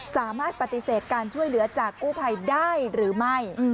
สามารถปฏิเสธการช่วยเหลือจากกู้ภัยได้หรือไม่